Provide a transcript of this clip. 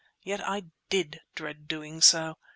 Yet I did dread doing so!